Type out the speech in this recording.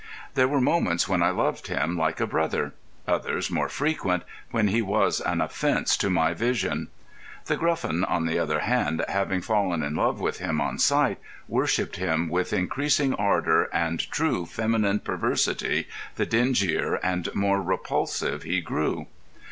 There were moments when I loved him like a brother; others, more frequent, when he was an offence to my vision. The Gruffin, on the other hand, having fallen in love with him on sight, worshipped him with increasing ardour and true feminine perversity the dingier and more repulsive he grew.